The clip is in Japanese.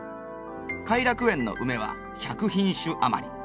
偕楽園のウメは１００品種余り。